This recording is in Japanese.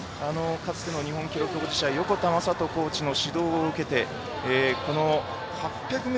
かつての日本記録の横田コーチの指導を受けて８００ｍ